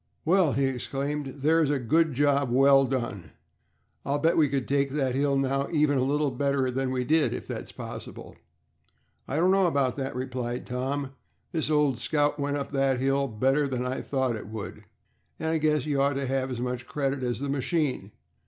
"Well!" he exclaimed. "There's a good job well done. I'll bet we could take that hill now even a little better than we did, if that's possible." "I don't know about that," replied Tom, "this old Scout went up that hill better than I thought it could, and I guess you ought to have as much credit as the machine.